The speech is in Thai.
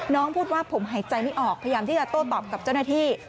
พูดว่าผมหายใจไม่ออกพยายามที่จะโต้ตอบกับเจ้าหน้าที่